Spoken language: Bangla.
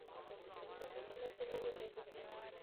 এখন তোমার কী মনে হইতেছে?